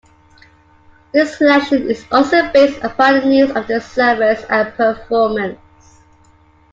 This selection is also based upon the needs of the service and performance.